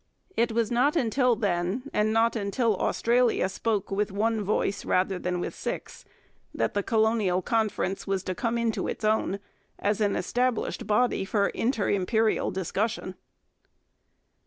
It was not until then, and not until Australia spoke with one voice rather than with six, that the Colonial Conference was to come into its own as an established body for inter imperial discussion.